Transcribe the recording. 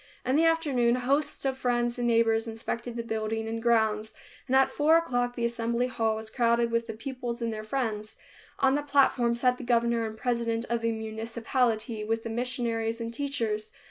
In the afternoon, hosts of friends and neighbors inspected the building and grounds, and at four o'clock the Assembly Hall was crowded with the pupils and their friends. On the platform sat the governor and president of the municipality, with the missionaries and teachers.